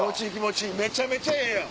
めちゃめちゃええやん！